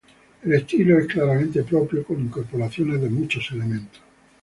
El estilo es claramente propio con incorporaciones de muchos elementos.